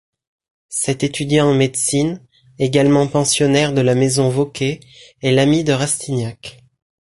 Cet étudiant en médecine, également pensionnaire de la maison Vauquer, est l'ami de Rastignac.